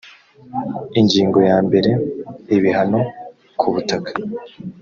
ingingo ya mbere ibihano kubutaka